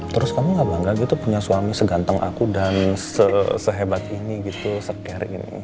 terus kamu gak bangga gitu punya suami seganteng aku dan sehebat ini gitu secare